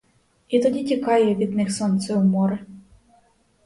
І тоді тікає від них сонце у море.